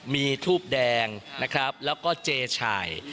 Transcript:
มีทูบแดงนะครับแล้วก็เจชาย